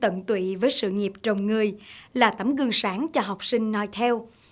tấm gương tận tụy với sự nghiệp trồng người là tấm gương sáng cho học sinh nói theo